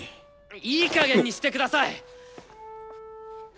いいかげんにしてください！